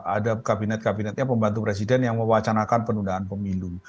ada kabinet kabinetnya pembantu presiden yang mewacanakan penundaan pemilu